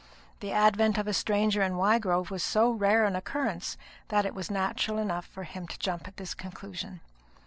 The advent of a stranger in Wygrove was so rare an occurrence, that it was natural enough for him to jump at this conclusion.